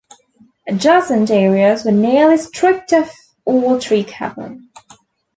Adjacent areas were nearly stripped of all tree cover.